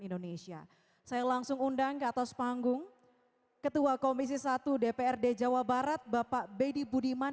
indonesia saya langsung undang ke atas panggung ketua komisi satu dprd jawa barat bapak bedi budiman